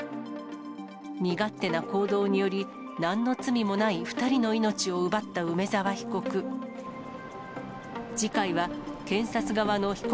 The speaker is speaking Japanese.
身勝手な行動により、なんの罪のない２人の命を奪った梅沢被告。